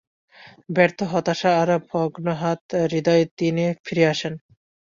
ব্যর্থ, হতাশা আর ভগ্নাহত হৃদয়ে তিনি ফিরে আসেন।